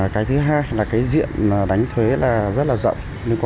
cái thứ hai là cái diện đánh thuế là rất là rộng